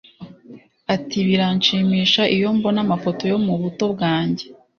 Ati “Biranshimisha iyo mbona amafoto yo mu buto bwanjye